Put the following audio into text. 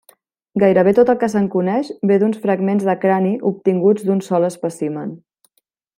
Gairebé tot el que se'n coneix ve d'uns fragments de crani obtinguts d'un sol espècimen.